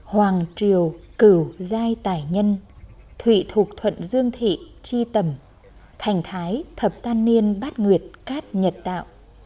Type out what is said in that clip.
hoàng triều cửu giai tài nhân thụy thục thuận dương thị tri tầm thành thái thập tan niên bát nguyệt cát nhật tạo